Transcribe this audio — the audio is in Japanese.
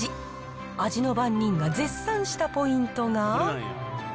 味の番人が絶賛したポイントが。